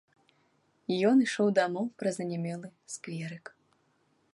Ён ішоў дамоў праз анямелы скверык.